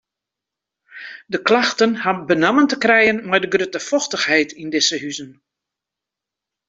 De klachten ha benammen te krijen mei de grutte fochtichheid yn dizze huzen.